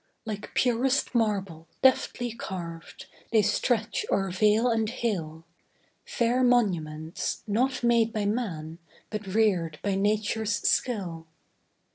Like purest marble, deftly carv'd, They stretch o'er vale and hill, Fair monuments, not made by man, But rear'd by nature's skill.